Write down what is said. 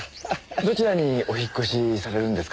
どちらにお引っ越しされるんですか？